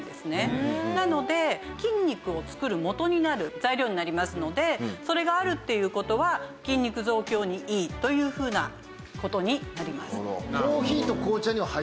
なので筋肉を作るもとになる材料になりますのでそれがあるっていう事は筋肉増強にいいというふうな事になります。